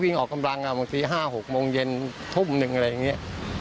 อย่างนี้๕๖โมงเย็นทุ่มหนึ่งอะไรอย่างนี้